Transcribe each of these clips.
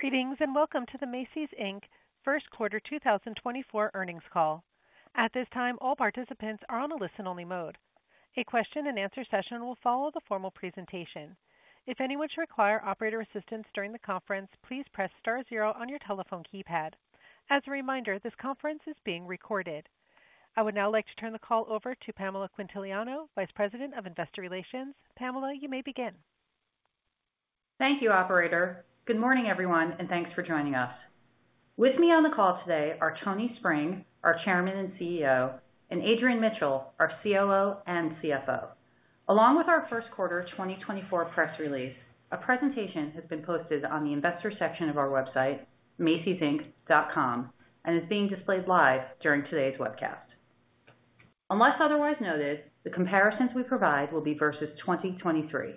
Greetings, and welcome to the Macy's, Inc. Q1 2024 Earnings Call. At this time, all participants are on a listen-only mode. A question and answer session will follow the formal presentation. If anyone should require operator assistance during the conference, please press star zero on your telephone keypad. As a reminder, this conference is being recorded. I would now like to turn the call over to Pamela Quintiliano, Vice President of Investor Relations. Pamela, you may begin. Thank you, operator. Good morning, everyone, and thanks for joining us. With me on the call today are Tony Spring, our Chairman and CEO, and Adrian Mitchell, our COO and CFO. Along with our Q1 2024 press release, a presentation has been posted on the investor section of our website, macysinc.com, and is being displayed live during today's webcast. Unless otherwise noted, the comparisons we provide will be versus 2023.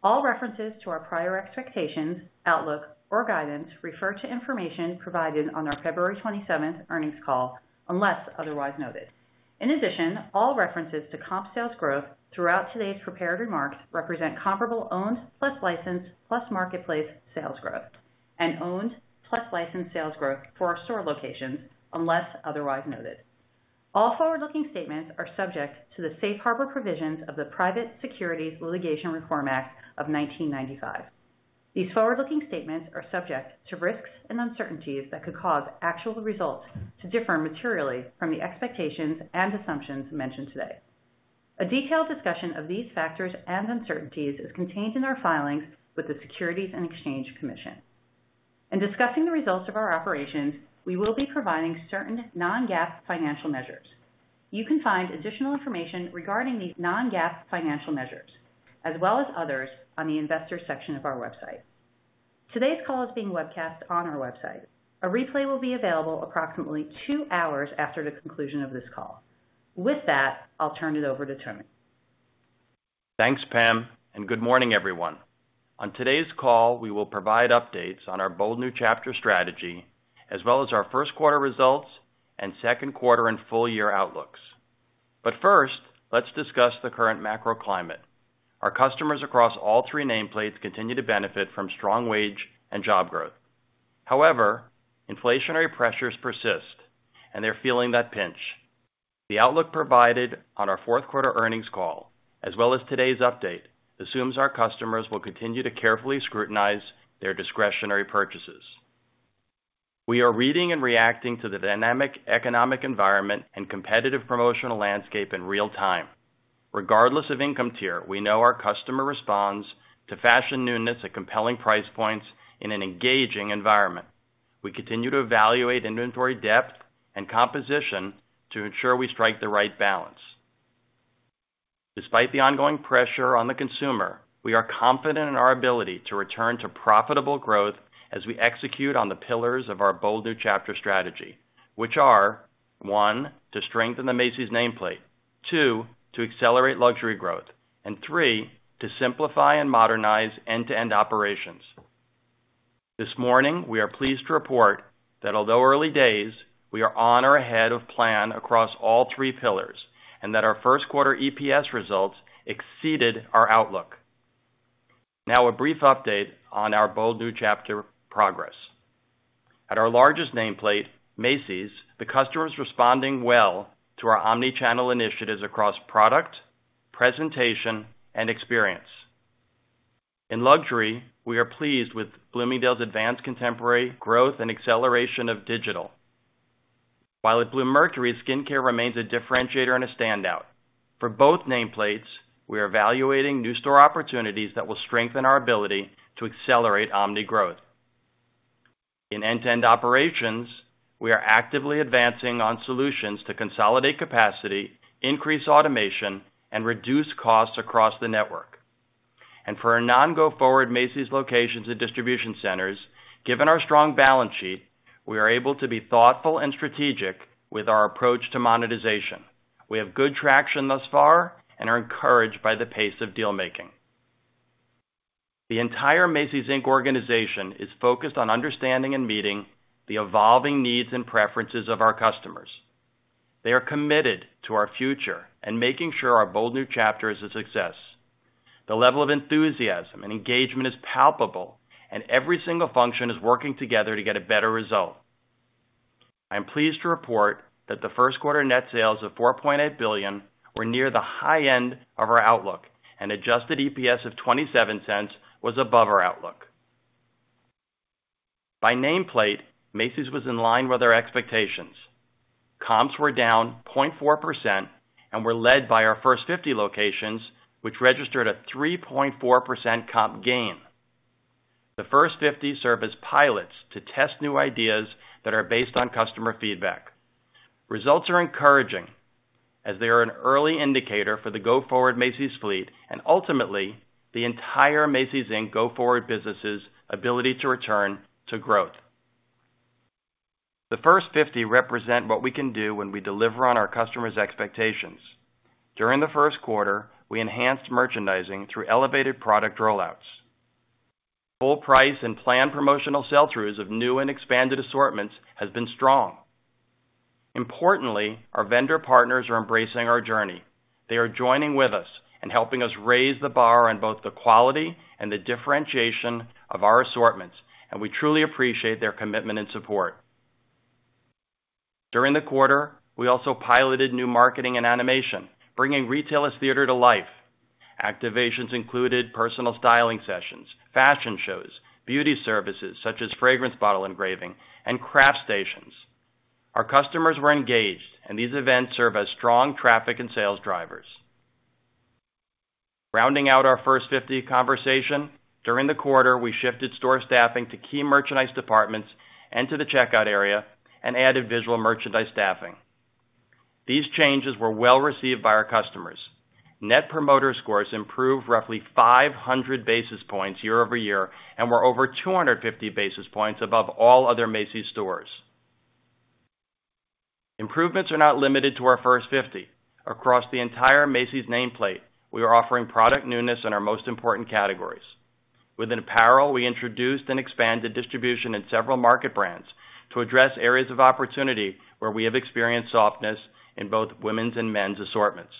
All references to our prior expectations, outlook, or guidance refer to information provided on our February 27th earnings call, unless otherwise noted. In addition, all references to comp sales growth throughout today's prepared remarks represent comparable owned plus licensed plus marketplace sales growth and owned plus licensed sales growth for our store locations, unless otherwise noted. All forward-looking statements are subject to the safe harbor provisions of the Private Securities Litigation Reform Act of 1995. These forward-looking statements are subject to risks and uncertainties that could cause actual results to differ materially from the expectations and assumptions mentioned today. A detailed discussion of these factors and uncertainties is contained in our filings with the Securities and Exchange Commission. In discussing the results of our operations, we will be providing certain non-GAAP financial measures. You can find additional information regarding these non-GAAP financial measures, as well as others, on the Investors section of our website. Today's call is being webcast on our website. A replay will be available approximately 2 hours after the conclusion of this call. With that, I'll turn it over to Tony. Thanks, Pam, and good morning, everyone. On today's call, we will provide updates on our Bold New Chapter strategy, as well as our Q1 results and Q2 and full year outlooks. But first, let's discuss the current macro climate. Our customers across all three nameplates continue to benefit from strong wage and job growth. However, inflationary pressures persist, and they're feeling that pinch. The outlook provided on our Q4 earnings call, as well as today's update, assumes our customers will continue to carefully scrutinize their discretionary purchases. We are reading and reacting to the dynamic economic environment and competitive promotional landscape in real time. Regardless of income tier, we know our customer responds to fashion newness at compelling price points in an engaging environment. We continue to evaluate inventory depth and composition to ensure we strike the right balance. Despite the ongoing pressure on the consumer, we are confident in our ability to return to profitable growth as we execute on the pillars of our Bold New Chapter strategy, which are, 1, to strengthen the Macy's nameplate. 2, to accelerate luxury growth, and 3, to simplify and modernize end-to-end operations. This morning, we are pleased to report that although early days, we are on or ahead of plan across all three pillars, and that our Q1 EPS results exceeded our outlook. Now, a brief update on our Bold New Chapter progress. At our largest nameplate, Macy's, the customer is responding well to our omni-channel initiatives across product, presentation, and experience. In luxury, we are pleased with Bloomingdale's advanced contemporary growth and acceleration of digital. While at Bluemercury, skincare remains a differentiator and a standout. For both nameplates, we are evaluating new store opportunities that will strengthen our ability to accelerate omni growth. In end-to-end operations, we are actively advancing on solutions to consolidate capacity, increase automation, and reduce costs across the network. For our non-go forward Macy's locations and distribution centers, given our strong balance sheet, we are able to be thoughtful and strategic with our approach to monetization. We have good traction thus far and are encouraged by the pace of deal making. The entire Macy's, Inc. organization is focused on understanding and meeting the evolving needs and preferences of our customers. They are committed to our future and making sure our Bold New Chapter is a success. The level of enthusiasm and engagement is palpable, and every single function is working together to get a better result. I am pleased to report that the Q1 net sales of $4.8 billion were near the high end of our outlook, and adjusted EPS of $0.27 was above our outlook. By nameplate, Macy's was in line with our expectations. Comps were down 0.4% and were led by our First 50 locations, which registered a 3.4% comp gain. The First 50 serve as pilots to test new ideas that are based on customer feedback. Results are encouraging, as they are an early indicator for the go-forward Macy's fleet and ultimately, the entire Macy's, Inc. go-forward business' ability to return to growth. The First 50 represent what we can do when we deliver on our customers' expectations. During the Q1, we enhanced merchandising through elevated product rollouts. Full price and planned promotional sell-throughs of new and expanded assortments has been strong.... Importantly, our vendor partners are embracing our journey. They are joining with us and helping us raise the bar on both the quality and the differentiation of our assortments, and we truly appreciate their commitment and support. During the quarter, we also piloted new marketing and animation, bringing retail theater to life. Activations included personal styling sessions, fashion shows, beauty services, such as fragrance bottle engraving, and craft stations. Our customers were engaged, and these events serve as strong traffic and sales drivers. Rounding out our First 50 conversation, during the quarter, we shifted store staffing to key merchandise departments and to the checkout area and added visual merchandising staffing. These changes were well received by our customers. Net Promoter scores improved roughly 500 basis points year-over-year, and were over 250 basis points above all other Macy's stores. Improvements are not limited to our first 50. Across the entire Macy's nameplate, we are offering product newness in our most important categories. Within apparel, we introduced and expanded distribution in several market brands to address areas of opportunity where we have experienced softness in both women's and men's assortments.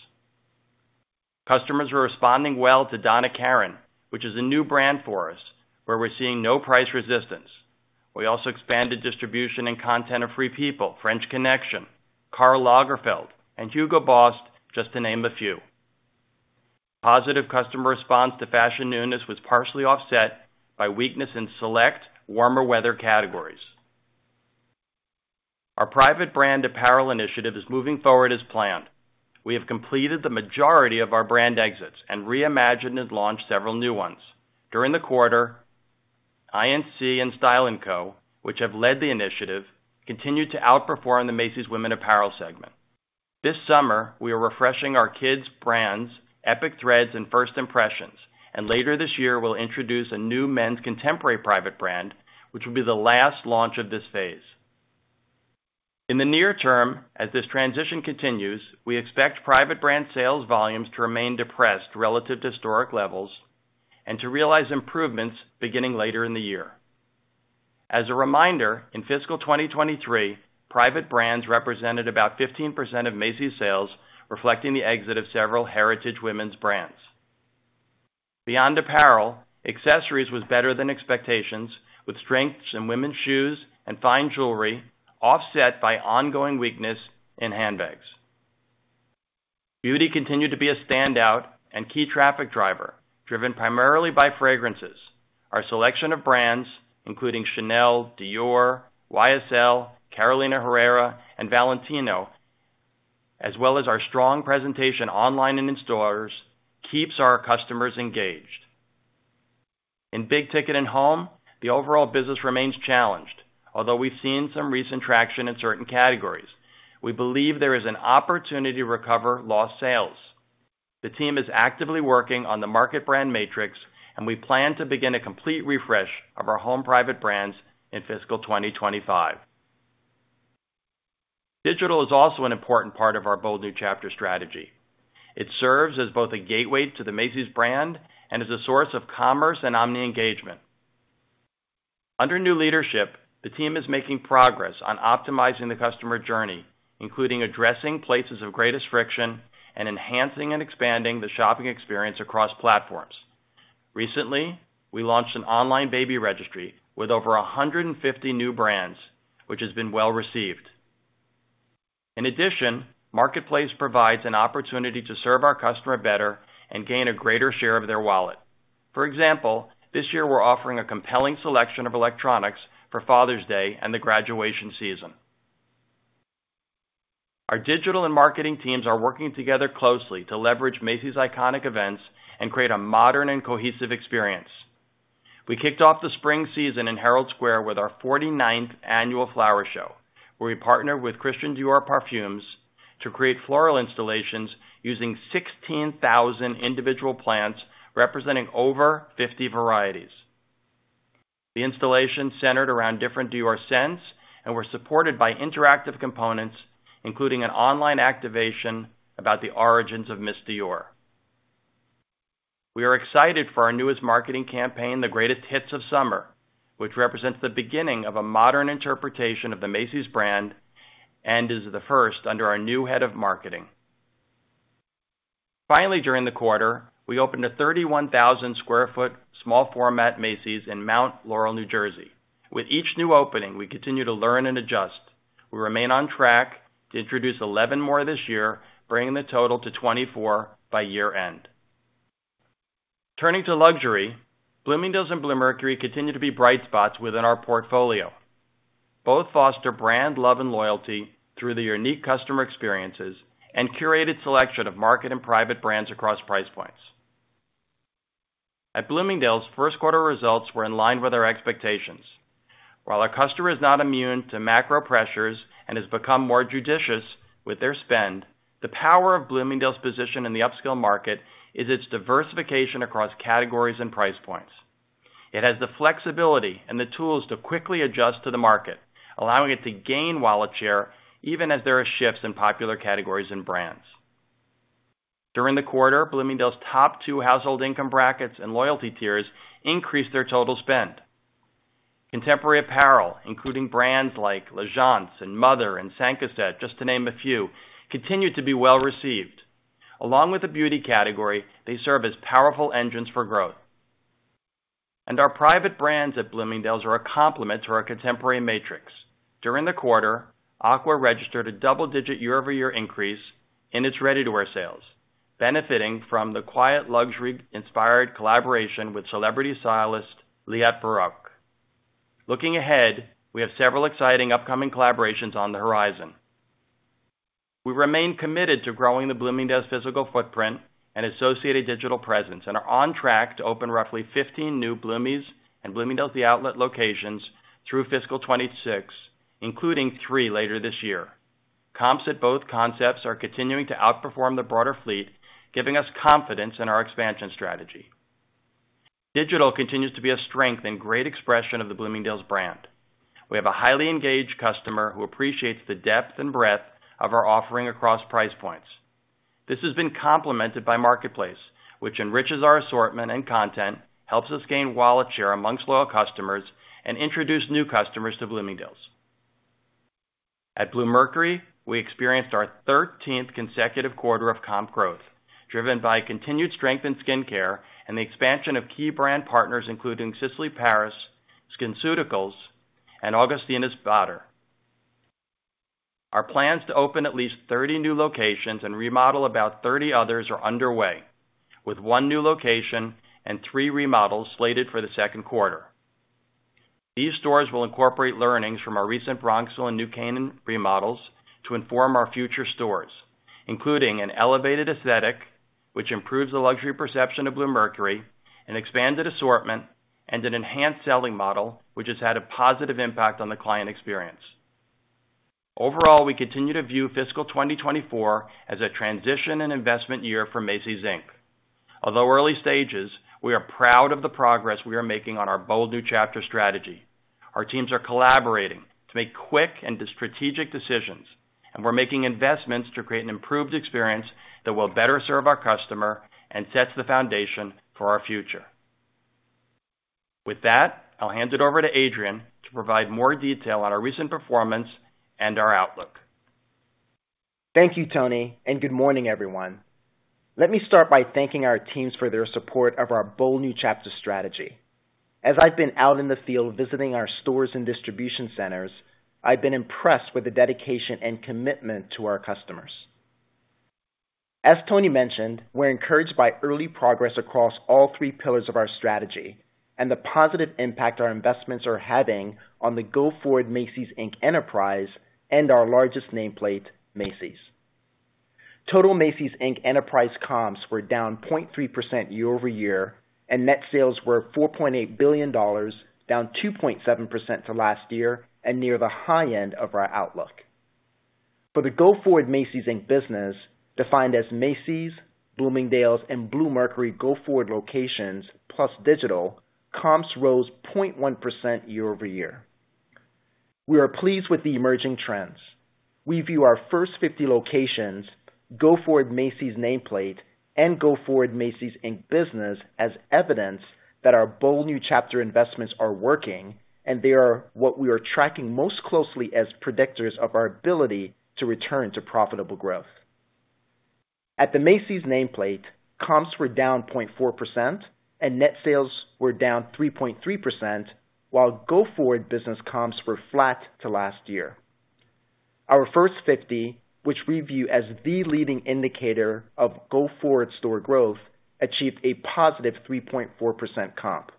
Customers are responding well to Donna Karan, which is a new brand for us, where we're seeing no price resistance. We also expanded distribution and content of Free People, French Connection, Karl Lagerfeld, and Hugo Boss, just to name a few. Positive customer response to fashion newness was partially offset by weakness in select warmer weather categories. Our private brand apparel initiative is moving forward as planned. We have completed the majority of our brand exits and reimagined and launched several new ones. During the quarter, INC and Style & Co, which have led the initiative, continued to outperform the Macy's women's apparel segment. This summer, we are refreshing our kids brands, Epic Threads and First Impressions, and later this year, we'll introduce a new men's contemporary private brand, which will be the last launch of this phase. In the near term, as this transition continues, we expect private brand sales volumes to remain depressed relative to historic levels and to realize improvements beginning later in the year. As a reminder, in fiscal 2023, private brands represented about 15% of Macy's sales, reflecting the exit of several heritage women's brands. Beyond apparel, accessories was better than expectations, with strengths in women's shoes and fine jewelry, offset by ongoing weakness in handbags. Beauty continued to be a standout and key traffic driver, driven primarily by fragrances. Our selection of brands, including Chanel, Dior, YSL, Carolina Herrera, and Valentino, as well as our strong presentation online and in stores, keeps our customers engaged. In big ticket and home, the overall business remains challenged. Although we've seen some recent traction in certain categories, we believe there is an opportunity to recover lost sales. The team is actively working on the market brand matrix, and we plan to begin a complete refresh of our home private brands in fiscal 2025. Digital is also an important part of our Bold New Chapter strategy. It serves as both a gateway to the Macy's brand and as a source of commerce and omni-engagement. Under new leadership, the team is making progress on optimizing the customer journey, including addressing places of greatest friction and enhancing and expanding the shopping experience across platforms. Recently, we launched an online baby registry with over 150 new brands, which has been well received. In addition, Marketplace provides an opportunity to serve our customer better and gain a greater share of their wallet. For example, this year, we're offering a compelling selection of electronics for Father's Day and the graduation season. Our digital and marketing teams are working together closely to leverage Macy's iconic events and create a modern and cohesive experience. We kicked off the spring season in Herald Square with our 49th annual Flower Show, where we partnered with Christian Dior Parfums to create floral installations using 16,000 individual plants, representing over 50 varieties. The installation centered around different Dior scents and were supported by interactive components, including an online activation about the origins of Miss Dior. We are excited for our newest marketing campaign, The Greatest Hits of Summer, which represents the beginning of a modern interpretation of the Macy's brand and is the first under our new head of marketing. Finally, during the quarter, we opened a 31,000 sq ft, small format Macy's in Mount Laurel, New Jersey. With each new opening, we continue to learn and adjust. We remain on track to introduce 11 more this year, bringing the total to 24 by year-end. Turning to luxury, Bloomingdale's and Bluemercury continue to be bright spots within our portfolio. Both foster brand love and loyalty through the unique customer experiences and curated selection of market and private brands across price points. At Bloomingdale's, Q1 results were in line with our expectations. While our customer is not immune to macro pressures and has become more judicious with their spend, the power of Bloomingdale's position in the upscale market is its diversification across categories and price points. It has the flexibility and the tools to quickly adjust to the market, allowing it to gain wallet share, even as there are shifts in popular categories and brands. During the quarter, Bloomingdale's top two household income brackets and loyalty tiers increased their total spend. Contemporary apparel, including brands like L'AGENCE, and Mother, and Cinq à Sept, just to name a few, continued to be well-received. Along with the beauty category, they serve as powerful engines for growth. And our private brands at Bloomingdale's are a complement to our contemporary matrix. During the quarter, Aqua registered a double-digit year-over-year increase in its ready-to-wear sales, benefiting from the quiet, luxury-inspired collaboration with celebrity stylist, Liat Baruch. Looking ahead, we have several exciting upcoming collaborations on the horizon. We remain committed to growing the Bloomingdale's physical footprint and associated digital presence, and are on track to open roughly 15 new Bloomies and Bloomingdale's The Outlet locations through fiscal 2026, including 3 later this year. Comps at both concepts are continuing to outperform the broader fleet, giving us confidence in our expansion strategy. Digital continues to be a strength and great expression of the Bloomingdale's brand. We have a highly engaged customer who appreciates the depth and breadth of our offering across price points. This has been complemented by Marketplace, which enriches our assortment and content, helps us gain wallet share among loyal customers, and introduce new customers to Bloomingdale's. At Bluemercury, we experienced our thirteenth consecutive quarter of comp growth, driven by continued strength in skincare and the expansion of key brand partners, including Sisley-Paris, SkinCeuticals, and Augustinus Bader. Our plans to open at least 30 new locations and remodel about 30 others are underway, with 1 new location and 3 remodels slated for the Q2. These stores will incorporate learnings from our recent Bronxville and New Canaan remodels to inform our future stores, including an elevated aesthetic, which improves the luxury perception of Bluemercury, an expanded assortment, and an enhanced selling model, which has had a positive impact on the client experience. Overall, we continue to view fiscal 2024 as a transition and investment year for Macy's, Inc. Although early stages, we are proud of the progress we are making on our Bold New Chapter strategy. Our teams are collaborating to make quick and strategic decisions, and we're making investments to create an improved experience that will better serve our customer and sets the foundation for our future. With that, I'll hand it over to Adrian to provide more detail on our recent performance and our outlook. Thank you, Tony, and good morning, everyone. Let me start by thanking our teams for their support of our Bold New Chapter strategy. As I've been out in the field visiting our stores and distribution centers, I've been impressed with the dedication and commitment to our customers. As Tony mentioned, we're encouraged by early progress across all three pillars of our strategy and the positive impact our investments are having on the go-forward Macy's, Inc. enterprise and our largest nameplate, Macy's. Total Macy's, Inc. enterprise comps were down 0.3% year-over-year, and net sales were $4.8 billion, down 2.7% to last year and near the high end of our outlook. For the go-forward Macy's, Inc. business, defined as Macy's, Bloomingdale's, and Bluemercury go-forward locations, plus digital, comps rose 0.1% year-over-year. We are pleased with the emerging trends. We view our First 50 locations, go-forward Macy's nameplate, and go-forward Macy's Inc. business as evidence that our Bold New Chapter investments are working, and they are what we are tracking most closely as predictors of our ability to return to profitable growth. At the Macy's nameplate, comps were down 0.4% and net sales were down 3.3%, while go-forward business comps were flat to last year. Our First 50, which we view as the leading indicator of go-forward store growth, achieved a positive 3.4% comp.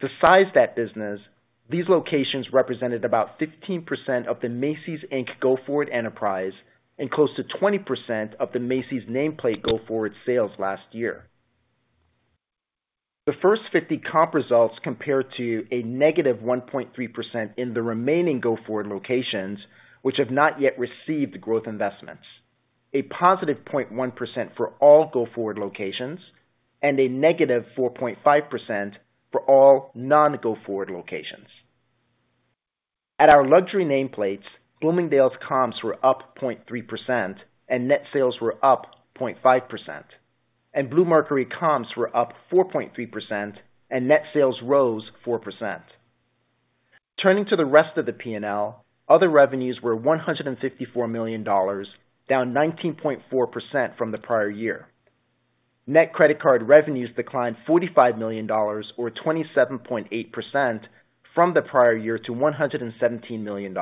To size that business, these locations represented about 15% of the Macy's Inc. go-forward enterprise and close to 20% of the Macy's nameplate go-forward sales last year. The first 50 comp results compared to a -1.3% in the remaining go-forward locations, which have not yet received growth investments, a +0.1% for all go-forward locations, and a -4.5% for all non-go-forward locations. At our luxury nameplates, Bloomingdale's comps were up 0.3% and net sales were up 0.5%, and Bluemercury comps were up 4.3% and net sales rose 4%. Turning to the rest of the P&L, other revenues were $154 million, down 19.4% from the prior year. Net credit card revenues declined $45 million, or 27.8%, from the prior year to $117 million.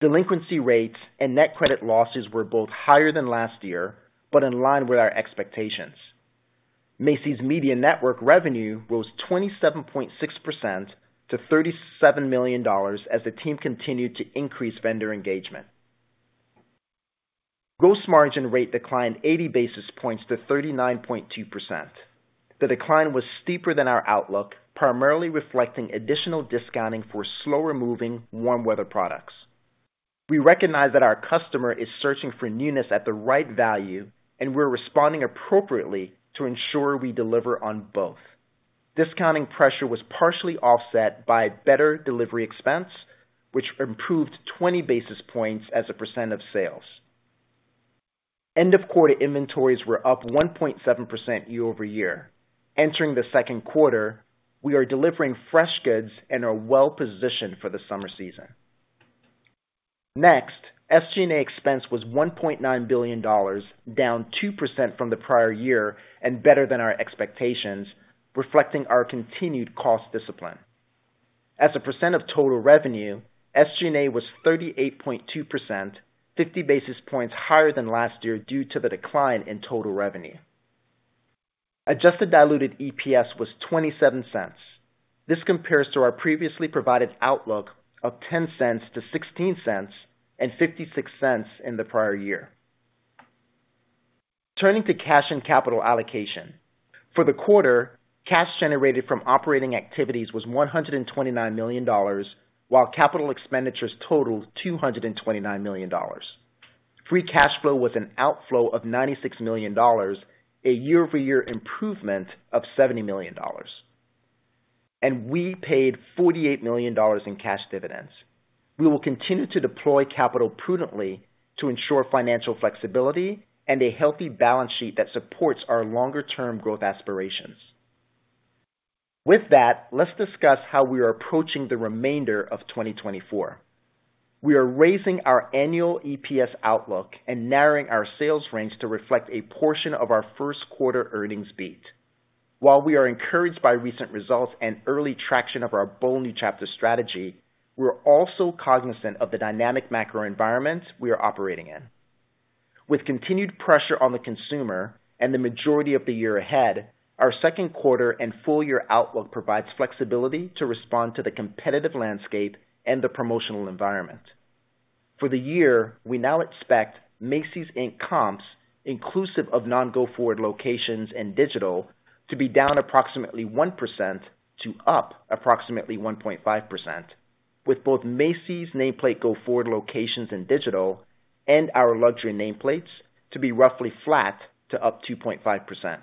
Delinquency rates and net credit losses were both higher than last year, but in line with our expectations. Macy's Media Network revenue rose 27.6% to $37 million as the team continued to increase vendor engagement. Gross margin rate declined 80 basis points to 39.2%. The decline was steeper than our outlook, primarily reflecting additional discounting for slower-moving, warm weather products. We recognize that our customer is searching for newness at the right value, and we're responding appropriately to ensure we deliver on both. Discounting pressure was partially offset by better delivery expense, which improved 20 basis points as a percent of sales. End of quarter inventories were up 1.7% year-over-year. Entering the Q2, we are delivering fresh goods and are well-positioned for the summer season. Next, SG&A expense was $1.9 billion, down 2% from the prior year and better than our expectations, reflecting our continued cost discipline. As a percent of total revenue, SG&A was 38.2%, 50 basis points higher than last year due to the decline in total revenue. Adjusted diluted EPS was $0.27. This compares to our previously provided outlook of $0.10-$0.16 and $0.56 in the prior year. Turning to cash and capital allocation. For the quarter, cash generated from operating activities was $129 million, while capital expenditures totaled $229 million. Free cash flow was an outflow of $96 million, a year-over-year improvement of $70 million, and we paid $48 million in cash dividends. We will continue to deploy capital prudently to ensure financial flexibility and a healthy balance sheet that supports our longer term growth aspirations. With that, let's discuss how we are approaching the remainder of 2024. We are raising our annual EPS outlook and narrowing our sales range to reflect a portion of our Q1 earnings beat. While we are encouraged by recent results and early traction of our Bold New Chapter strategy, we're also cognizant of the dynamic macro environments we are operating in. With continued pressure on the consumer and the majority of the year ahead, our Q2 and full year outlook provides flexibility to respond to the competitive landscape and the promotional environment. For the year, we now expect Macy's Inc comps, inclusive of non-go-forward locations and digital, to be down approximately 1% to up approximately 1.5%, with both Macy's nameplate go-forward locations and digital, and our luxury nameplates to be roughly flat to up 2.5%.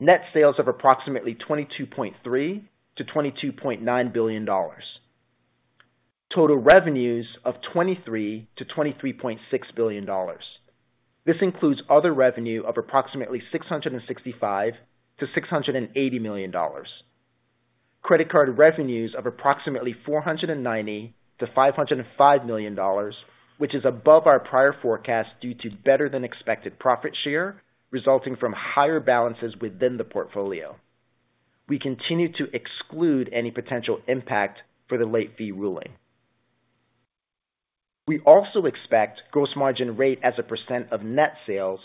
Net sales of approximately $22.3-$22.9 billion. Total revenues of $23-$23.6 billion. This includes other revenue of approximately $665 million-$680 million. Credit card revenues of approximately $490 million-$505 million, which is above our prior forecast, due to better-than-expected profit share, resulting from higher balances within the portfolio. We continue to exclude any potential impact for the late fee ruling. We also expect gross margin rate as a percent of net sales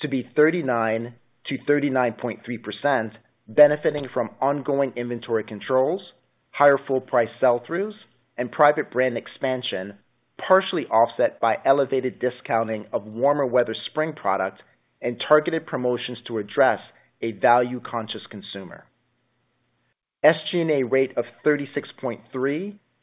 to be 39%-39.3%, benefiting from ongoing inventory controls, higher full price sell-throughs, and private brand expansion, partially offset by elevated discounting of warmer weather spring product and targeted promotions to address a value-conscious consumer. SG&A rate of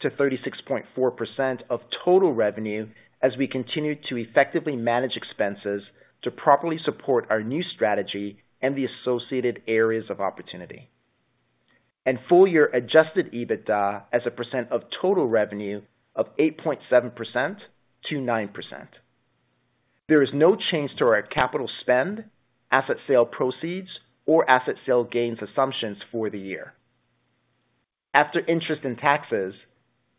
36.3%-36.4% of total revenue as we continue to effectively manage expenses to properly support our new strategy and the associated areas of opportunity. Full year adjusted EBITDA as a percent of total revenue of 8.7%-9%. There is no change to our capital spend, asset sale proceeds, or asset sale gains assumptions for the year. After interest and taxes,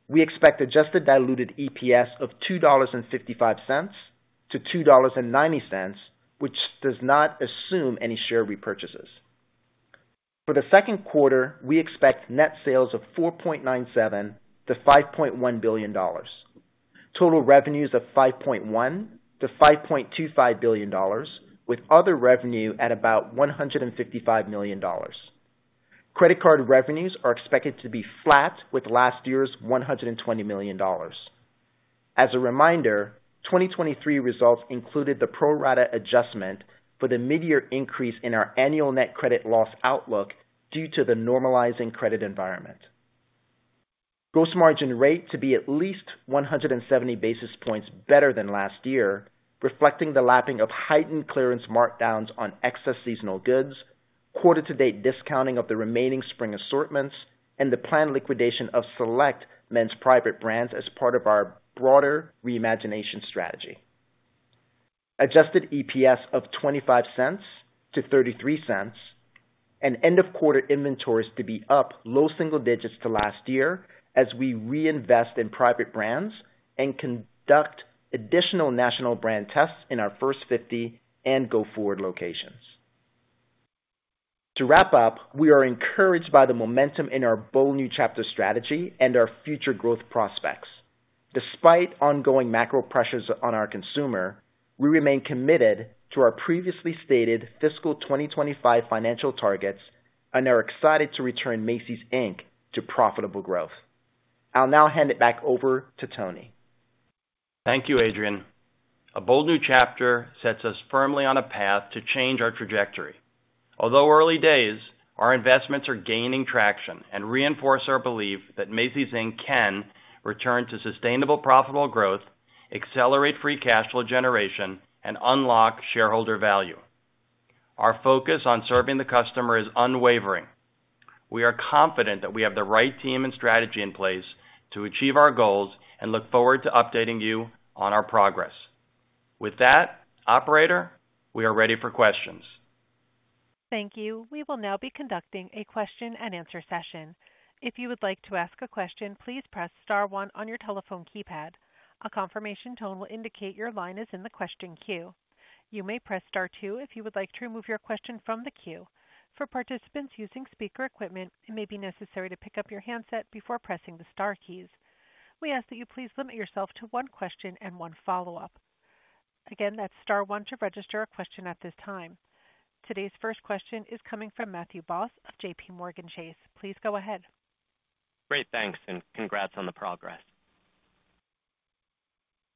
we expect adjusted diluted EPS of $2.55-$2.90, which does not assume any share repurchases. For the Q2, we expect net sales of $4.97-$5.1 billion. Total revenues of $5.1-$5.25 billion, with other revenue at about $155 million. Credit card revenues are expected to be flat with last year's $120 million. As a reminder, 2023 results included the pro rata adjustment for the midyear increase in our annual net credit loss outlook due to the normalizing credit environment. Gross margin rate to be at least 170 basis points better than last year, reflecting the lapping of heightened clearance markdowns on excess seasonal goods, quarter-to-date discounting of the remaining spring assortments, and the planned liquidation of select men's private brands as part of our broader reimagination strategy. Adjusted EPS of $0.25-$0.33, and end-of-quarter inventories to be up low single digits to last year as we reinvest in private brands and conduct additional national brand tests in our first 50 and go-forward locations. To wrap up, we are encouraged by the momentum in our Bold New Chapter strategy and our future growth prospects. Despite ongoing macro pressures on our consumer, we remain committed to our previously stated fiscal 2025 financial targets and are excited to return Macy's, Inc. to profitable growth. I'll now hand it back over to Tony. Thank you, Adrian. A Bold New Chapter sets us firmly on a path to change our trajectory. Although early days, our investments are gaining traction and reinforce our belief that Macy's, Inc. can return to sustainable, profitable growth, accelerate free cash flow generation, and unlock shareholder value. Our focus on serving the customer is unwavering. We are confident that we have the right team and strategy in place to achieve our goals and look forward to updating you on our progress. With that, operator, we are ready for questions. Thank you. We will now be conducting a question-and-answer session. If you would like to ask a question, please press star one on your telephone keypad. A confirmation tone will indicate your line is in the question queue. You may press star two if you would like to remove your question from the queue. For participants using speaker equipment, it may be necessary to pick up your handset before pressing the star keys. We ask that you please limit yourself to one question and one follow-up. Again, that's star one to register a question at this time. Today's first question is coming from Matthew Boss of JPMorgan Chase. Please go ahead. Great, thanks, and congrats on the progress.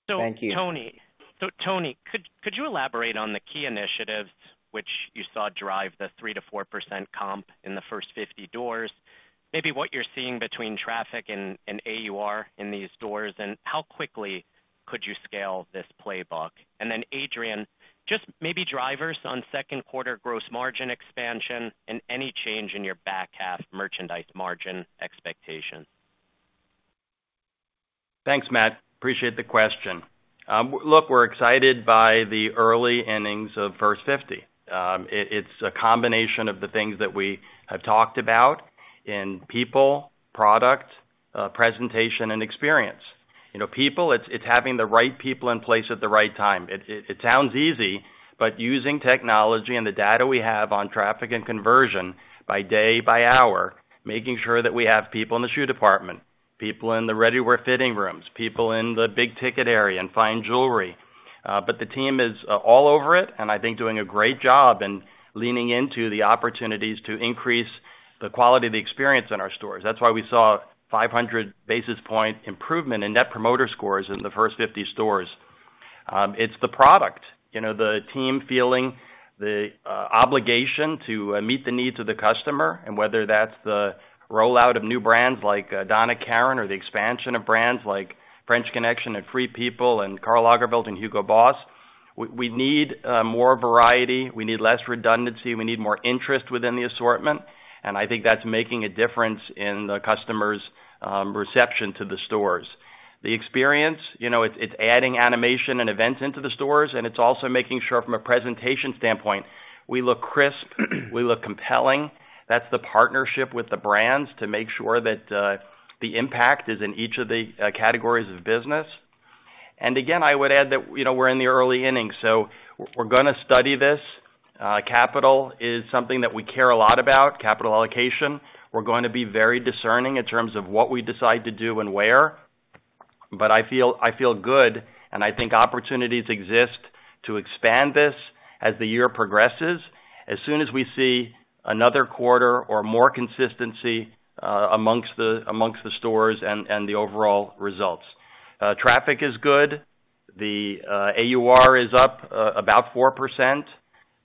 Thank you. So, Tony, could you elaborate on the key initiatives which you saw drive the 3%-4% comp in the first 50 doors? Maybe what you're seeing between traffic and AUR in these stores, and how quickly could you scale this playbook? And then, Adrian, just maybe drivers on Q2 gross margin expansion and any change in your back half merchandise margin expectation. Thanks, Matt. Appreciate the question. Look, we're excited by the early innings of First 50. It's a combination of the things that we have talked about in people, product, presentation, and experience. You know, people, it's having the right people in place at the right time. It sounds easy, but using technology and the data we have on traffic and conversion by day, by hour, making sure that we have people in the shoe department, people in the ready-to-wear fitting rooms, people in the big ticket area and fine jewelry. But the team is all over it, and I think doing a great job and leaning into the opportunities to increase the quality of the experience in our stores. That's why we saw 500 basis point improvement in net promoter scores in the first 50 stores. It's the product, you know, the team feeling the obligation to meet the needs of the customer, and whether that's the rollout of new brands like Donna Karan or the expansion of brands like French Connection and Free People and Karl Lagerfeld and Hugo Boss. We, we need more variety, we need less redundancy, we need more interest within the assortment, and I think that's making a difference in the customers' reception to the stores. The experience, you know, it's, it's adding animation and events into the stores, and it's also making sure from a presentation standpoint, we look crisp, we look compelling. That's the partnership with the brands to make sure that the impact is in each of the categories of business. And again, I would add that, you know, we're in the early innings, so we're, we're gonna study this. Capital is something that we care a lot about, capital allocation. We're going to be very discerning in terms of what we decide to do and where, but I feel, I feel good, and I think opportunities exist to expand this as the year progresses. As soon as we see another quarter or more consistency, amongst the, amongst the stores and, and the overall results. Traffic is good. The AUR is up about 4%.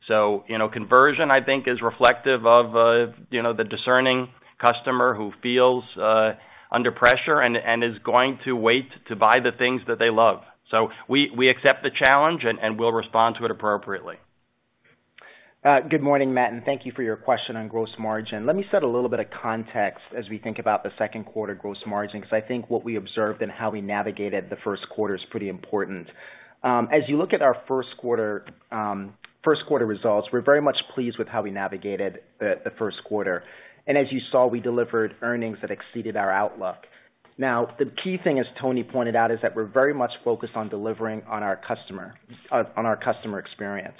So, you know, conversion, I think, is reflective of, you know, the discerning customer who feels under pressure and, and is going to wait to buy the things that they love. So we, we accept the challenge and, and we'll respond to it appropriately. Good morning, Matt, and thank you for your question on gross margin. Let me set a little bit of context as we think about the Q2 gross margin, because I think what we observed and how we navigated the Q1 is pretty important. As you look at our Q1, Q1 results, we're very much pleased with how we navigated the Q1. As you saw, we delivered earnings that exceeded our outlook. Now, the key thing, as Tony pointed out, is that we're very much focused on delivering on our customer experience.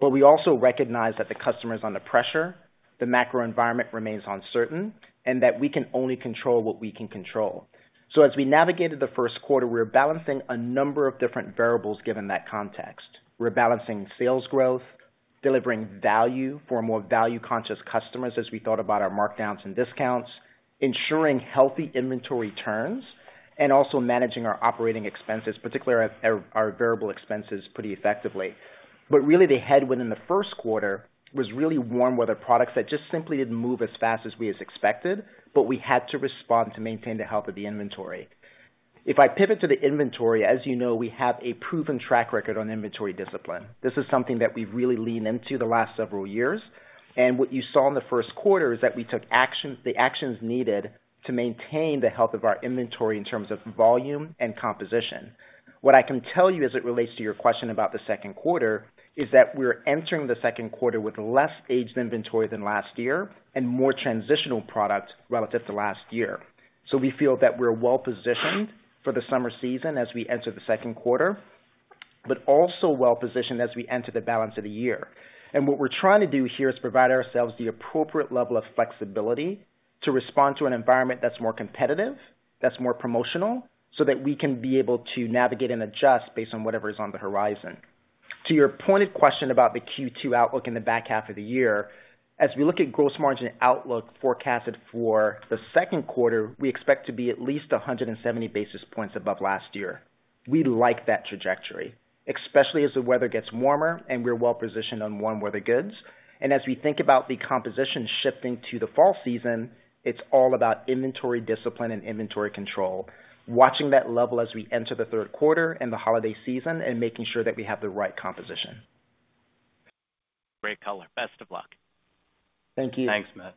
But we also recognize that the customer is under pressure, the macro environment remains uncertain, and that we can only control what we can control. So as we navigated the Q1, we were balancing a number of different variables given that context. We're balancing sales growth, delivering value for more value-conscious customers as we thought about our markdowns and discounts, ensuring healthy inventory turns, and also managing our operating expenses, particularly our variable expenses, pretty effectively. But really, the headwind in the Q1 was really warm weather products that just simply didn't move as fast as we expected, but we had to respond to maintain the health of the inventory. If I pivot to the inventory, as you know, we have a proven track record on inventory discipline. This is something that we've really leaned into the last several years, and what you saw in the Q1 is that we took actions, the actions needed to maintain the health of our inventory in terms of volume and composition. What I can tell you as it relates to your question about the Q2, is that we're entering the Q2 with less aged inventory than last year and more transitional products relative to last year. So we feel that we're well-positioned for the summer season as we enter the Q2, but also well-positioned as we enter the balance of the year. And what we're trying to do here is provide ourselves the appropriate level of flexibility to respond to an environment that's more competitive, that's more promotional, so that we can be able to navigate and adjust based on whatever is on the horizon. To your pointed question about the Q2 outlook in the back half of the year, as we look at gross margin outlook forecasted for the Q2, we expect to be at least 170 basis points above last year. We like that trajectory, especially as the weather gets warmer and we're well positioned on warm weather goods. And as we think about the composition shifting to the fall season, it's all about inventory discipline and inventory control. Watching that level as we enter the Q3 and the holiday season, and making sure that we have the right composition. Great color. Best of luck. Thank you. Thanks, Matt.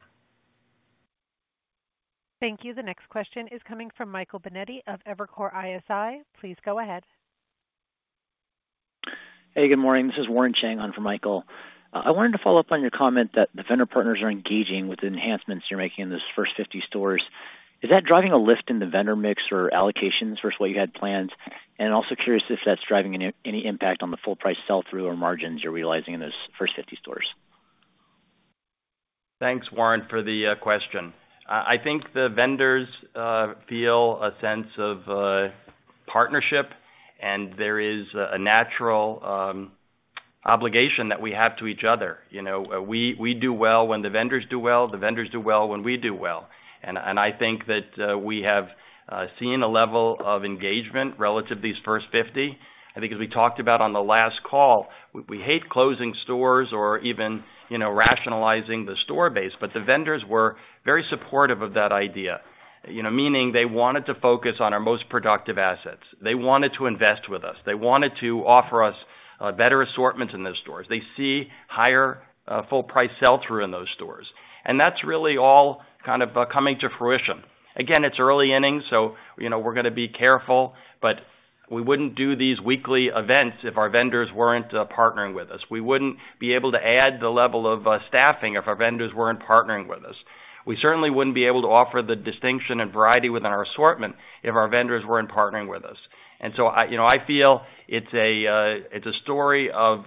Thank you. The next question is coming from Michael Binetti of Evercore ISI. Please go ahead. Hey, good morning. This is Warren Cheng on for Michael. I wanted to follow up on your comment that the vendor partners are engaging with the enhancements you're making in those first 50 stores. Is that driving a lift in the vendor mix or allocations versus what you had planned? I'm also curious if that's driving any impact on the full price sell-through or margins you're realizing in those first 50 stores. Thanks, Warren, for the question. I think the vendors feel a sense of partnership, and there is a natural obligation that we have to each other. You know, we do well when the vendors do well, the vendors do well when we do well. I think that we have seen a level of engagement relative to these first 50. I think, as we talked about on the last call, we hate closing stores or even, you know, rationalizing the store base, but the vendors were very supportive of that idea. You know, meaning they wanted to focus on our most productive assets. They wanted to invest with us. They wanted to offer us better assortments in those stores. They see higher full price sell-through in those stores. That's really all kind of coming to fruition. Again, it's early innings, so, you know, we're gonna be careful, but we wouldn't do these weekly events if our vendors weren't partnering with us. We wouldn't be able to add the level of staffing if our vendors weren't partnering with us. We certainly wouldn't be able to offer the distinction and variety within our assortment if our vendors weren't partnering with us. And so I, you know, I feel it's a, it's a story of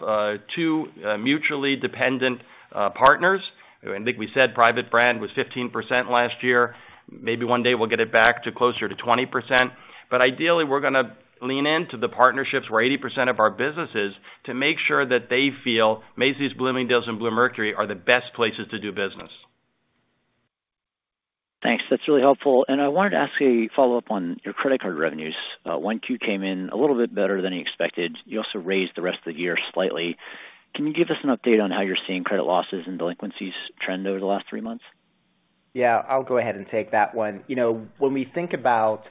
two mutually dependent partners. I think we said private brand was 15% last year. Maybe one day we'll get it back to closer to 20%. Ideally, we're gonna lean into the partnerships, where 80% of our business is, to make sure that they feel Macy's, Bloomingdale's, and Bluemercury are the best places to do business. Thanks. That's really helpful. I wanted to ask a follow-up on your credit card revenues. 1Q came in a little bit better than expected. You also raised the rest of the year slightly. Can you give us an update on how you're seeing credit losses and delinquencies trend over the last 3 months? Yeah, I'll go ahead and take that one. You know, when we think about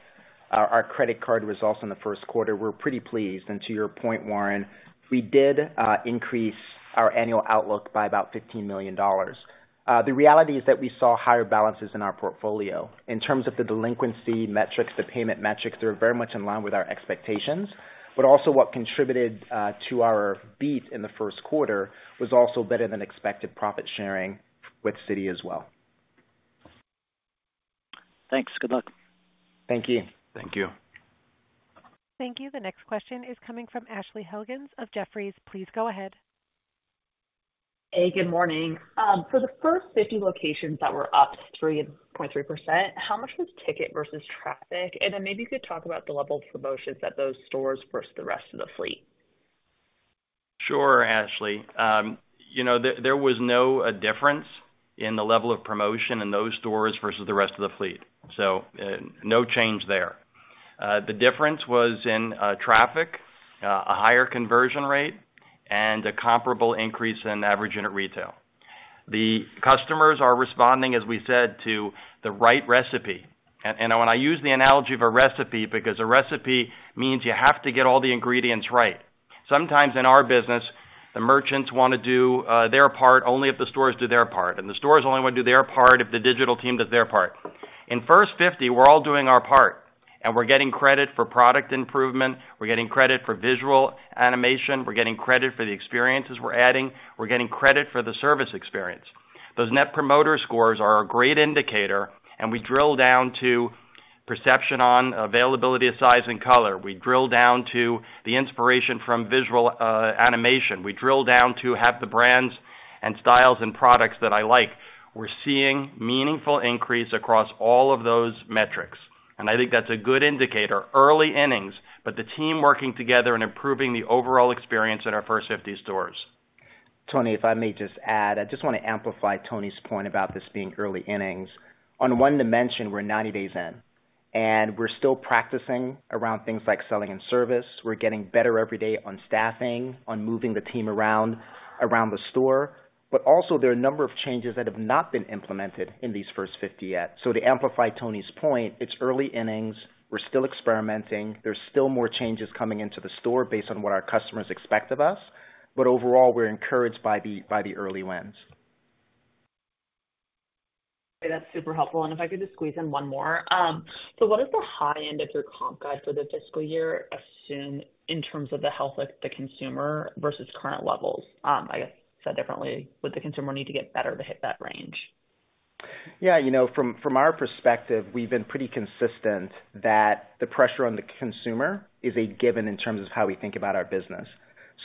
our, our credit card results in the Q1, we're pretty pleased. And to your point, Warren, we did increase our annual outlook by about $15 million. The reality is that we saw higher balances in our portfolio. In terms of the delinquency metrics, the payment metrics, they're very much in line with our expectations, but also what contributed to our beat in the Q1 was also better than expected profit sharing with Citi as well. Thanks. Good luck. Thank you. Thank you. Thank you. The next question is coming from Ashley Helgans of Jefferies. Please go ahead. Hey, good morning. For the first 50 locations that were up 3.3%, how much was ticket versus traffic? And then maybe you could talk about the level of promotions at those stores versus the rest of the fleet. Sure, Ashley. You know, there was no difference in the level of promotion in those stores versus the rest of the fleet. So, no change there. The difference was in traffic, a higher conversion rate and a comparable increase in average unit retail. The customers are responding, as we said, to the right recipe. And when I use the analogy of a recipe, because a recipe means you have to get all the ingredients right. Sometimes in our business, the merchants wanna do their part only if the stores do their part, and the stores only wanna do their part if the digital team does their part. In First 50, we're all doing our part, and we're getting credit for product improvement, we're getting credit for visual animation, we're getting credit for the experiences we're adding, we're getting credit for the service experience. Those net promoter scores are a great indicator, and we drill down to perception on availability of size and color. We drill down to the inspiration from visual animation. We drill down to have the brands and styles and products that I like. We're seeing meaningful increase across all of those metrics, and I think that's a good indicator. Early innings, but the team working together and improving the overall experience at our First 50 stores. Tony, if I may just add, I just wanna amplify Tony's point about this being early innings. On one dimension, we're 90 days in, and we're still practicing around things like selling and service. We're getting better every day on staffing, on moving the team around, around the store. But also, there are a number of changes that have not been implemented in these first 50 yet. So to amplify Tony's point, it's early innings. We're still experimenting. There's still more changes coming into the store based on what our customers expect of us, but overall, we're encouraged by the early wins. Okay, that's super helpful. And if I could just squeeze in one more. So what is the high end of your comp guide for the fiscal year assume in terms of the health of the consumer versus current levels? I guess, said differently, would the consumer need to get better to hit that range? Yeah, you know, from our perspective, we've been pretty consistent that the pressure on the consumer is a given in terms of how we think about our business.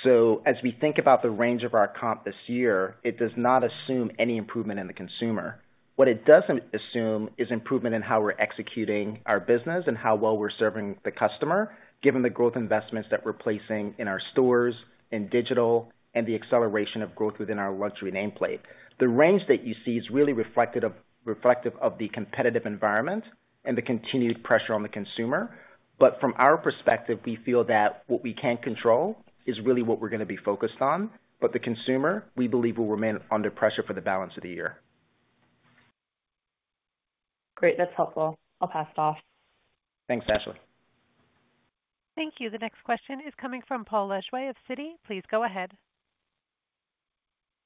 So as we think about the range of our comp this year, it does not assume any improvement in the consumer. What it doesn't assume is improvement in how we're executing our business and how well we're serving the customer, given the growth investments that we're placing in our stores, in digital, and the acceleration of growth within our luxury nameplate. The range that you see is really reflective of the competitive environment and the continued pressure on the consumer. But from our perspective, we feel that what we can't control is really what we're gonna be focused on, but the consumer, we believe, will remain under pressure for the balance of the year. Great, that's helpful. I'll pass it off. Thanks, Ashley. Thank you. The next question is coming from Paul Lejuez of Citi. Please go ahead.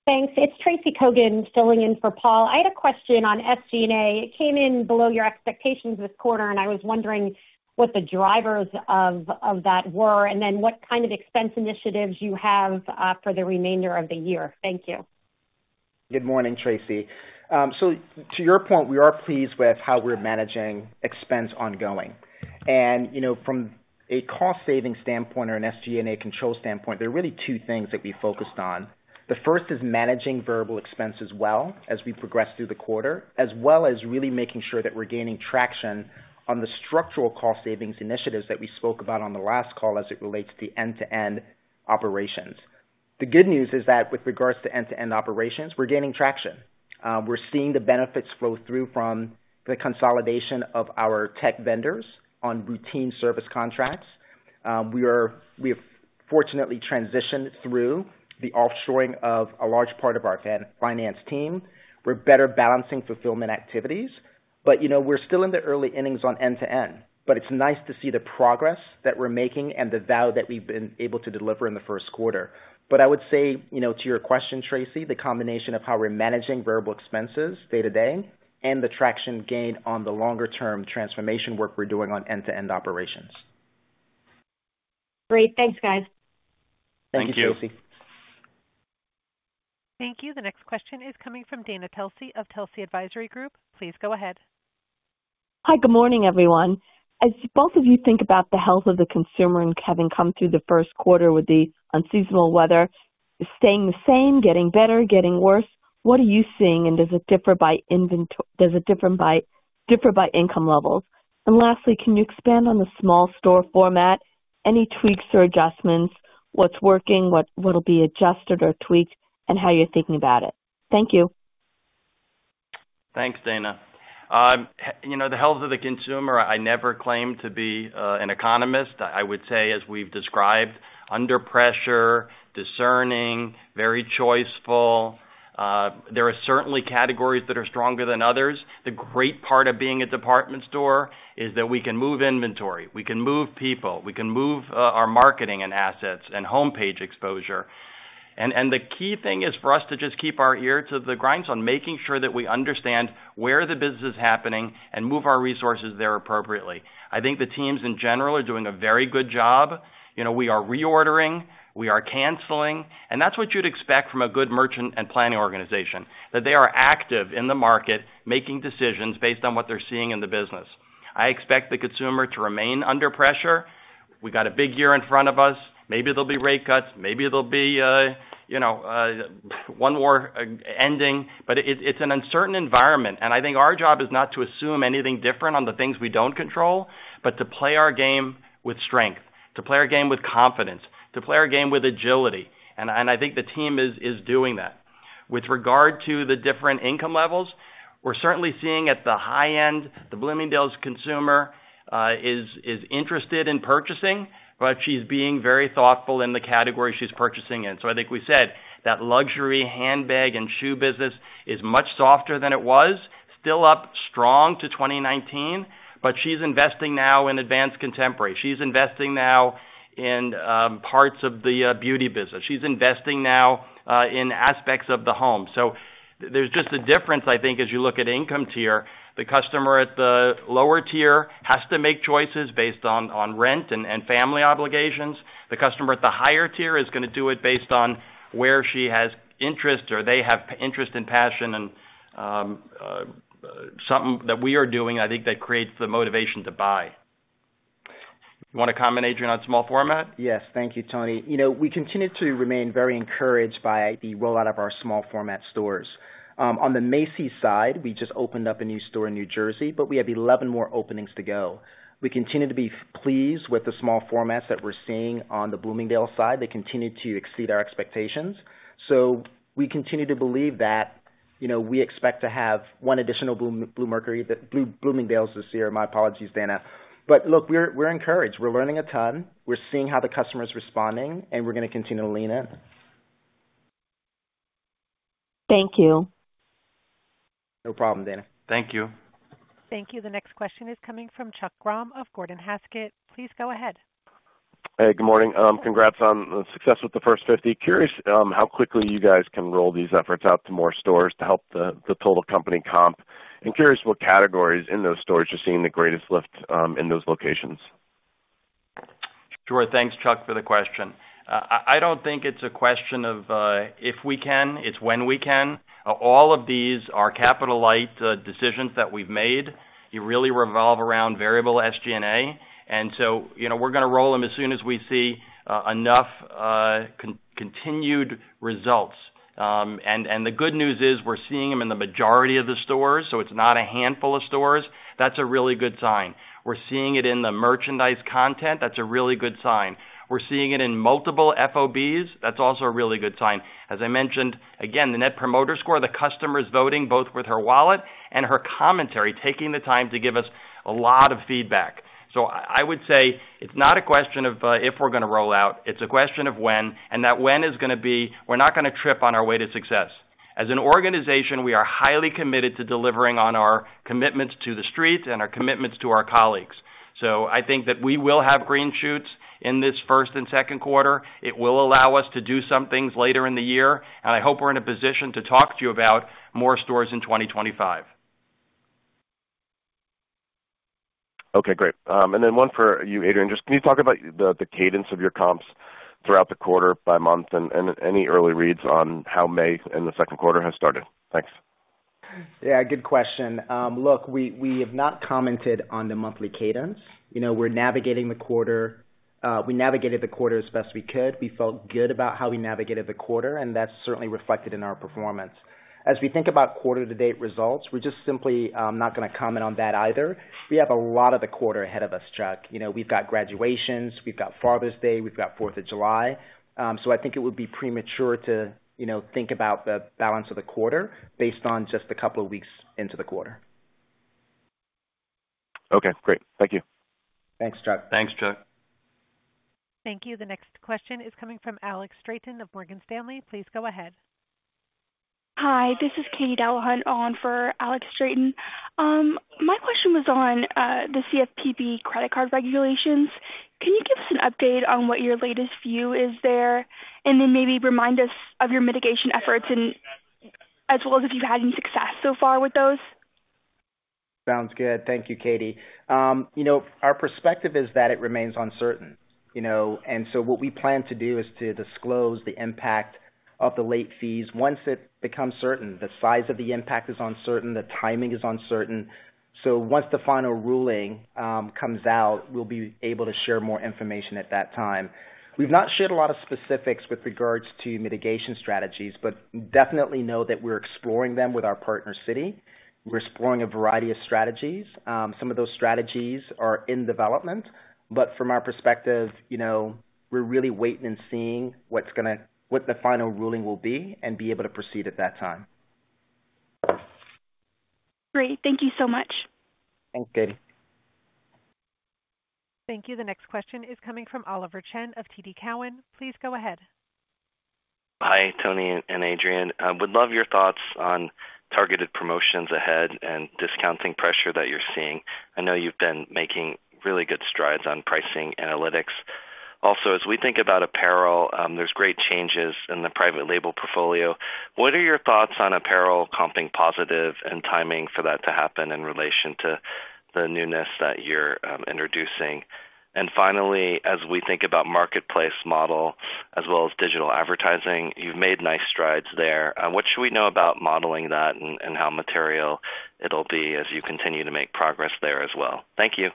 Thanks. It's Tracy Kogan filling in for Paul. I had a question on SG&A. It came in below your expectations this quarter, and I was wondering what the drivers of that were, and then what kind of expense initiatives you have for the remainder of the year. Thank you. Good morning, Tracy. So to your point, we are pleased with how we're managing expense ongoing. And, you know, from a cost saving standpoint or an SG&A control standpoint, there are really two things that we focused on. The first is managing variable expenses well as we progress through the quarter, as well as really making sure that we're gaining traction on the structural cost savings initiatives that we spoke about on the last call as it relates to the end-to-end operations. The good news is that with regards to end-to-end operations, we're gaining traction. We're seeing the benefits flow through from the consolidation of our tech vendors on routine service contracts. We have fortunately transitioned through the offshoring of a large part of our finance team. We're better balancing fulfillment activities, but, you know, we're still in the early innings on end-to-end, but it's nice to see the progress that we're making and the value that we've been able to deliver in the Q1. But I would say, you know, to your question, Tracy, the combination of how we're managing variable expenses day-to-day and the traction gained on the longer term transformation work we're doing on end-to-end operations. Great. Thanks, guys. Thank you, Tracy. Thank you. The next question is coming from Dana Telsey of Telsey Advisory Group. Please go ahead. Hi, good morning, everyone. As both of you think about the health of the consumer and having come through the Q1 with the unseasonal weather, is staying the same, getting better, getting worse, what are you seeing, and does it differ by income levels? And lastly, can you expand on the small store format, any tweaks or adjustments? What's working, what'll be adjusted or tweaked, and how you're thinking about it? Thank you. Thanks, Dana. You know, the health of the consumer, I never claimed to be an economist. I would say, as we've described, under pressure, discerning, very choiceful. There are certainly categories that are stronger than others. The great part of being a department store is that we can move inventory, we can move people, we can move our marketing and assets and homepage exposure. And the key thing is for us to just keep our ear to the ground on making sure that we understand where the business is happening and move our resources there appropriately. I think the teams, in general, are doing a very good job. You know, we are reordering, we are canceling, and that's what you'd expect from a good merchant and planning organization, that they are active in the market, making decisions based on what they're seeing in the business. I expect the consumer to remain under pressure. We got a big year in front of us. Maybe there'll be rate cuts, maybe there'll be, you know, one more ending, but it's an uncertain environment, and I think our job is not to assume anything different on the things we don't control, but to play our game with strength, to play our game with confidence, to play our game with agility, and I think the team is doing that. With regard to the different income levels, we're certainly seeing at the high end, the Bloomingdale's consumer is interested in purchasing, but she's being very thoughtful in the category she's purchasing in. So I think we said that luxury handbag and shoe business is much softer than it was. Still up strong to 2019, but she's investing now in advanced contemporary. She's investing now in parts of the beauty business. She's investing now in aspects of the home. So there's just a difference, I think, as you look at income tier. The customer at the lower tier has to make choices based on rent and family obligations. The customer at the higher tier is gonna do it based on where she has interest or they have interest and passion and something that we are doing, I think, that creates the motivation to buy. You wanna comment, Adrian, on small format? Yes. Thank you, Tony. You know, we continue to remain very encouraged by the rollout of our small format stores. On the Macy's side, we just opened up a new store in New Jersey, but we have 11 more openings to go. We continue to be pleased with the small formats that we're seeing on the Bloomingdale's side. They continue to exceed our expectations. So we continue to believe that, you know, we expect to have one additional Bloomingdale's this year. My apologies, Dana. But look, we're encouraged. We're learning a ton. We're seeing how the customer is responding, and we're gonna continue to lean in. Thank you. No problem, Dana. Thank you. Thank you. The next question is coming from Chuck Grom of Gordon Haskett. Please go ahead. Hey, good morning. Congrats on the success with the First 50. Curious, how quickly you guys can roll these efforts out to more stores to help the total company comp? I'm curious what categories in those stores are seeing the greatest lift, in those locations. Sure. Thanks, Chuck, for the question. I don't think it's a question of if we can, it's when we can. All of these are capital light decisions that we've made. You really revolve around variable SG&A, and so, you know, we're gonna roll them as soon as we see enough continued results. And the good news is, we're seeing them in the majority of the stores, so it's not a handful of stores. That's a really good sign. We're seeing it in the merchandise content. That's a really good sign. We're seeing it in multiple FOBs. That's also a really good sign. As I mentioned, again, the Net Promoter Score, the customer is voting both with her wallet and her commentary, taking the time to give us a lot of feedback. So I would say it's not a question of if we're gonna roll out, it's a question of when, and that when is gonna be... We're not gonna trip on our way to success. As an organization, we are highly committed to delivering on our commitments to the street and our commitments to our colleagues. So I think that we will have green shoots in this first and Q2. It will allow us to do some things later in the year, and I hope we're in a position to talk to you about more stores in 2025. Okay, great. And then one for you, Adrian. Just can you talk about the cadence of your comps throughout the quarter by month and any early reads on how May and the Q2 has started? Thanks. Yeah, good question. Look, we have not commented on the monthly cadence. You know, we're navigating the quarter, we navigated the quarter as best we could. We felt good about how we navigated the quarter, and that's certainly reflected in our performance. As we think about quarter-to-date results, we're just simply not gonna comment on that either. We have a lot of the quarter ahead of us, Chuck. You know, we've got graduations, we've got Father's Day, we've got Fourth of July. So I think it would be premature to, you know, think about the balance of the quarter based on just a couple of weeks into the quarter. Okay, great. Thank you. Thanks, Chuck. Thanks, Chuck. Thank you. The next question is coming from Alex Straton of Morgan Stanley. Please go ahead. Hi, this is Catie Delahunt on for Alex Straton. My question was on, the CFPB credit card regulations. Can you give us an update on what your latest view is there? And then maybe remind us of your mitigation efforts and as well as if you've had any success so far with those. Sounds good. Thank you, Katie. You know, our perspective is that it remains uncertain, you know, and so what we plan to do is to disclose the impact of the late fees once it becomes certain. The size of the impact is uncertain, the timing is uncertain. So once the final ruling comes out, we'll be able to share more information at that time. We've not shared a lot of specifics with regards to mitigation strategies, but definitely know that we're exploring them with our partner, Citi. We're exploring a variety of strategies. Some of those strategies are in development, but from our perspective, you know, we're really waiting and seeing what the final ruling will be and be able to proceed at that time. Great. Thank you so much. Thanks, Katie. Thank you. The next question is coming from Oliver Chen of TD Cowen. Please go ahead. Hi, Tony and Adrian. I would love your thoughts on targeted promotions ahead and discounting pressure that you're seeing. I know you've been making really good strides on pricing analytics. Also, as we think about apparel, there's great changes in the private label portfolio. What are your thoughts on apparel comping positive and timing for that to happen in relation to the newness that you're introducing? And finally, as we think about marketplace model as well as digital advertising, you've made nice strides there. What should we know about modeling that and how material it'll be as you continue to make progress there as well? Thank you.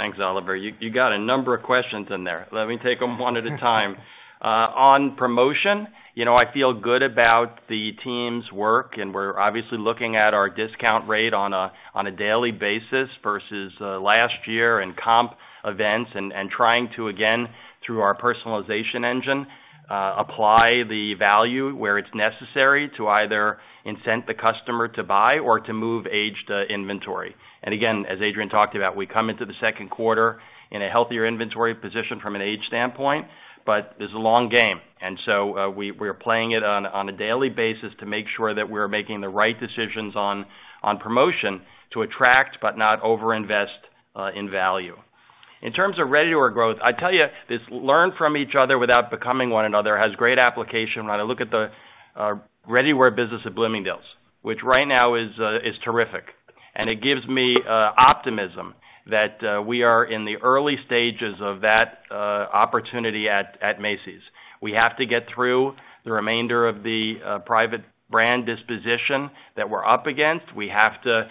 Thanks, Oliver. You got a number of questions in there. Let me take them one at a time. On promotion, you know, I feel good about the team's work, and we're obviously looking at our discount rate on a daily basis versus last year and comp events and trying to, again, through our personalization engine, apply the value where it's necessary to either incent the customer to buy or to move aged inventory. And again, as Adrian talked about, we come into the Q2 in a healthier inventory position from an age standpoint, but this is a long game, and so we are playing it on a daily basis to make sure that we're making the right decisions on promotion to attract but not overinvest in value. In terms of ready-to-wear growth, I tell you, this learn from each other without becoming one another has great application. When I look at the ready-to-wear business at Bloomingdale's, which right now is terrific. And it gives me optimism that we are in the early stages of that opportunity at Macy's. We have to get through the remainder of the private brand disposition that we're up against. We have to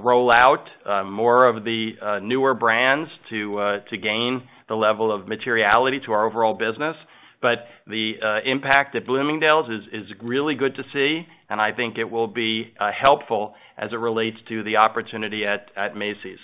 roll out more of the newer brands to gain the level of materiality to our overall business. But the impact at Bloomingdale's is really good to see, and I think it will be helpful as it relates to the opportunity at Macy's.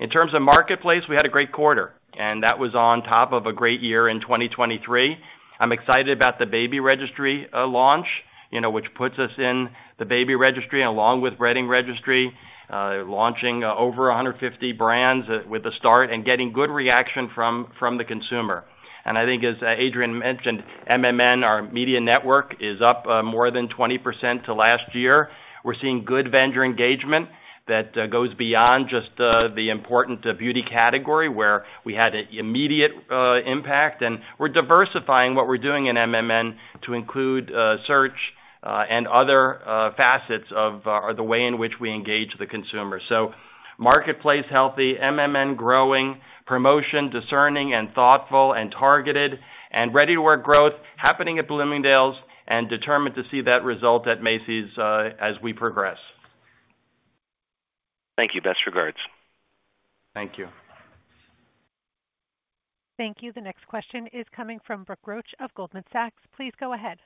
In terms of marketplace, we had a great quarter, and that was on top of a great year in 2023. I'm excited about the baby registry, launch, you know, which puts us in the baby registry along with wedding registry, launching over 150 brands with the start and getting good reaction from the consumer. And I think, as Adrian mentioned, MMN, our media network, is up more than 20% to last year. We're seeing good vendor engagement that goes beyond just the important beauty category, where we had an immediate impact, and we're diversifying what we're doing in MMN to include search and other facets of the way in which we engage the consumer. So marketplace, healthy, MMN, growing, promotion, discerning and thoughtful and targeted, and ready-to-wear growth happening at Bloomingdale's and determined to see that result at Macy's, as we progress. Thank you. Best regards. Thank you. Thank you. The next question is coming from Brooke Roach of Goldman Sachs. Please go ahead.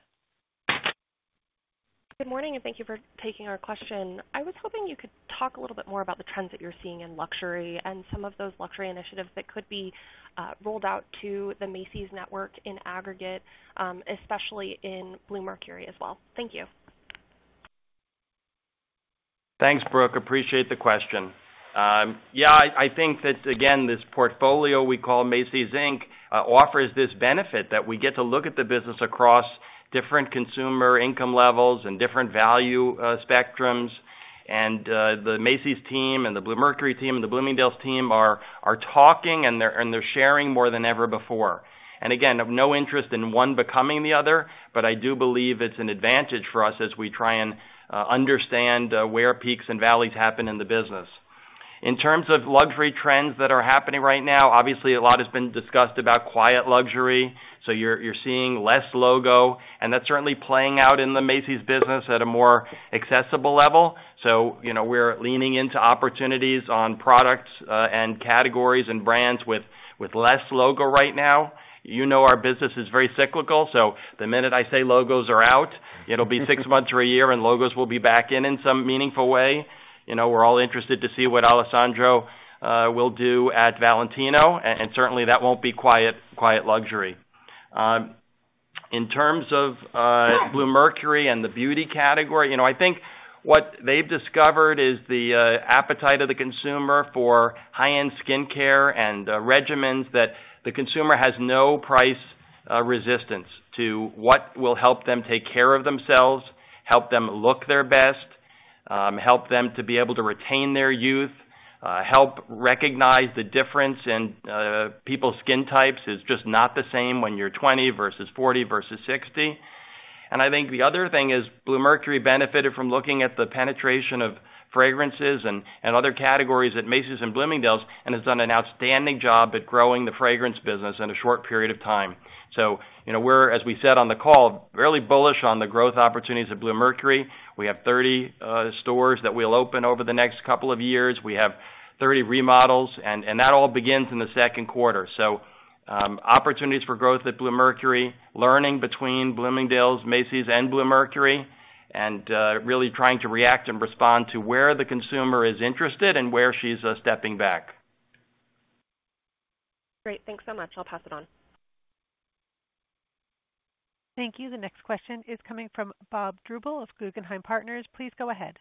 Good morning, and thank you for taking our question. I was hoping you could talk a little bit more about the trends that you're seeing in luxury and some of those luxury initiatives that could be rolled out to the Macy's network in aggregate, especially in Bluemercury as well. Thank you. Thanks, Brooke. Appreciate the question. Yeah, I think that, again, this portfolio we call Macy's, Inc. offers this benefit that we get to look at the business across different consumer income levels and different value spectrums. And the Macy's team and the Bluemercury team and the Bloomingdale's team are talking, and they're sharing more than ever before. And again, I've no interest in one becoming the other, but I do believe it's an advantage for us as we try and understand where peaks and valleys happen in the business. In terms of luxury trends that are happening right now, obviously, a lot has been discussed about quiet luxury, so you're seeing less logo, and that's certainly playing out in the Macy's business at a more accessible level. So, you know, we're leaning into opportunities on products, and categories and brands with, with less logo right now. You know, our business is very cyclical, so the minute I say logos are out, it'll be six months or a year, and logos will be back in, in some meaningful way. You know, we're all interested to see what Alessandro will do at Valentino, and, and certainly, that won't be quiet, quiet luxury. In terms of Bluemercury and the beauty category, you know, I think what they've discovered is the appetite of the consumer for high-end skincare and regimens that the consumer has no price resistance to what will help them take care of themselves, help them look their best, help them to be able to retain their youth, help recognize the difference in people's skin types, is just not the same when you're 20 versus 40 versus 60. And I think the other thing is Bluemercury benefited from looking at the penetration of fragrances and other categories at Macy's and Bloomingdale's, and has done an outstanding job at growing the fragrance business in a short period of time. So you know, we're, as we said on the call, really bullish on the growth opportunities at Bluemercury. We have 30 stores that we'll open over the next couple of years. We have 30 remodels, and that all begins in the Q2. So, opportunities for growth at Bluemercury, learning between Bloomingdale's, Macy's and Bluemercury, and really trying to react and respond to where the consumer is interested and where she's stepping back. Great. Thanks so much. I'll pass it on. Thank you. The next question is coming from Bob Drbul of Guggenheim Partners. Please go ahead.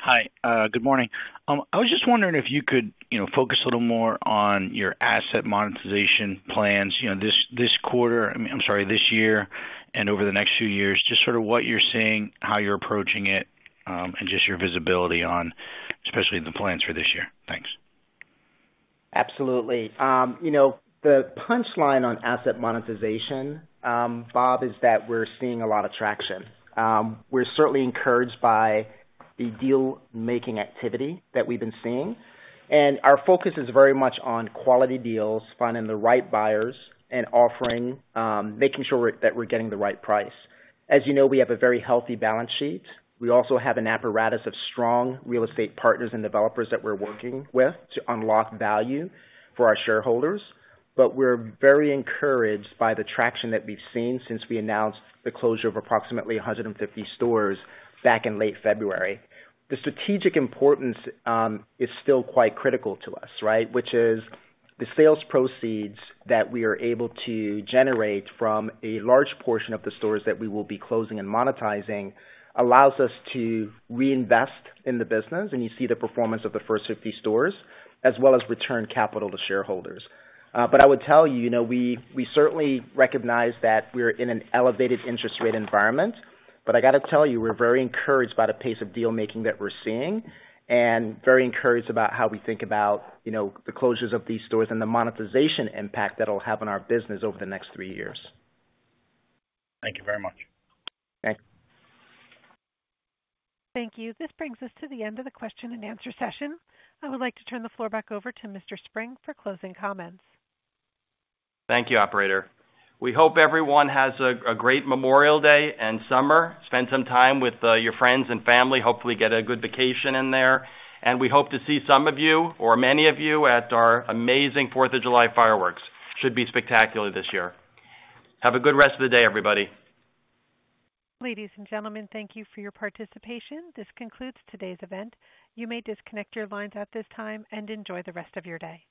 Hi, good morning. I was just wondering if you could, you know, focus a little more on your asset monetization plans, you know, this, this quarter... I'm sorry, this year and over the next few years, just sort of what you're seeing, how you're approaching it, and just your visibility on, especially the plans for this year. Thanks. Absolutely. You know, the punchline on asset monetization, Bob, is that we're seeing a lot of traction. We're certainly encouraged by the deal-making activity that we've been seeing, and our focus is very much on quality deals, finding the right buyers and offering, making sure we're, that we're getting the right price. As you know, we have a very healthy balance sheet. We also have an apparatus of strong real estate partners and developers that we're working with to unlock value for our shareholders. But we're very encouraged by the traction that we've seen since we announced the closure of approximately 150 stores back in late February. The strategic importance is still quite critical to us, right? Which is the sales proceeds that we are able to generate from a large portion of the stores that we will be closing and monetizing, allows us to reinvest in the business, and you see the performance of the first 50 stores, as well as return capital to shareholders. But I would tell you, you know, we, we certainly recognize that we're in an elevated interest rate environment, but I gotta tell you, we're very encouraged by the pace of deal making that we're seeing and very encouraged about how we think about, you know, the closures of these stores and the monetization impact that'll have on our business over the next 3 years. Thank you very much. Thanks. Thank you. This brings us to the end of the question and answer session. I would like to turn the floor back over to Mr. Spring for closing comments. Thank you, operator. We hope everyone has a great Memorial Day and summer. Spend some time with your friends and family. Hopefully, get a good vacation in there, and we hope to see some of you or many of you at our amazing Fourth of July fireworks. Should be spectacular this year. Have a good rest of the day, everybody. Ladies and gentlemen, thank you for your participation. This concludes today's event. You may disconnect your lines at this time and enjoy the rest of your day.